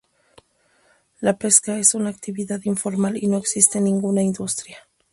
La pesca es una actividad informal y no existe ninguna industria.